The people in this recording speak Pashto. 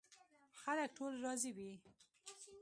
خلک ټول راضي وي.